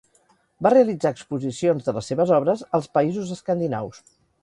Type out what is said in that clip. Va realitzar exposicions de les seves obres als Països Escandinaus.